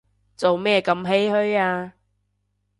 做咩咁唏噓啊